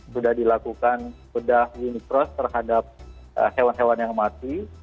sudah dilakukan bedah unicross terhadap hewan hewan yang mati